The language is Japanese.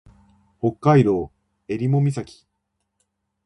北海道襟裳岬